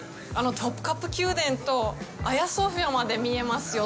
トプカプ宮殿とアヤソフィアまで見えますよ。